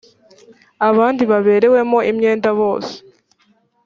abandi baberewemo imyenda bose